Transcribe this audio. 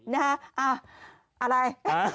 นะฮะอ่ะอะไร